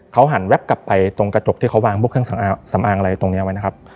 เขาหันแวบกลับไปตรงกระจกที่เขาวางพวกเครื่องสำอางอะไรตรงนี้ไว้นะครับ